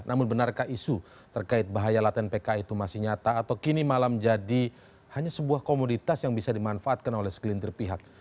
namun benarkah isu terkait bahaya laten pk itu masih nyata atau kini malah menjadi hanya sebuah komoditas yang bisa dimanfaatkan oleh segelintir pihak